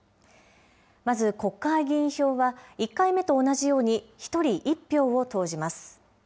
まず国会議員票は、１回目と同じように、１人１票を投じます。